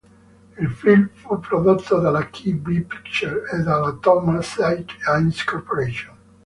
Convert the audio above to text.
Il film fu prodotto dalla Kay-Bee Pictures e dalla Thomas H. Ince Corporation.